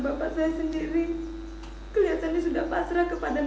bapak saya sendiri kelihatannya sudah pasrah kepada